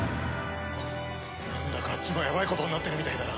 なんだかあっちもやばいことになってるみたいだな。